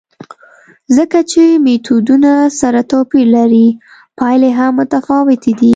ځکه چې میتودونه سره توپیر لري، پایلې هم متفاوتې دي.